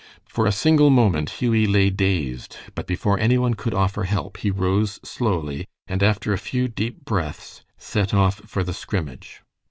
For a single moment Hughie lay dazed, but before any one could offer help he rose slowly, and after a few deep breaths, set off for the scrimmage.